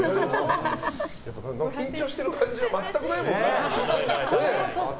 緊張してる感じが全くないもんね。